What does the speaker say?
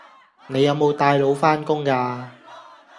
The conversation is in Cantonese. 你有冇帶腦返工㗎